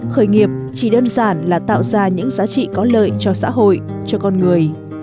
khởi nghiệp chỉ đơn giản là tạo ra những giá trị có lợi cho xã hội cho con người